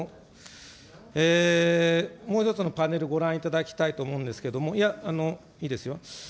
もう１つのパネル、ご覧いただきたいと思うんですけども、いや、いいですよ。